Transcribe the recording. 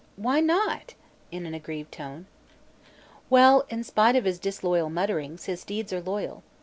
"Why not?" in an aggrieved tone. "Well, in spite of his disloyal mutterings, his deeds are loyal.